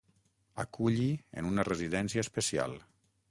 Aculli en una residència especial.